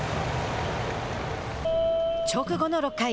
直後の６回。